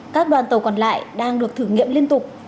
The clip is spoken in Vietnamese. các đoàn tàu còn lại đang được thử nghiệm liên tục